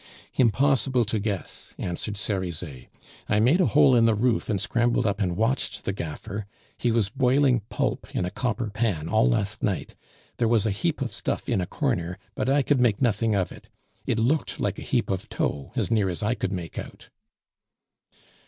"Impossible to guess," answered Cerizet; "I made a hole in the roof and scrambled up and watched the gaffer; he was boiling pulp in a copper pan all last night. There was a heap of stuff in a corner, but I could make nothing of it; it looked like a heap of tow, as near as I could make out."